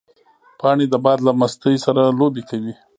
پاڼې د باد له مستۍ سره لوبې کوي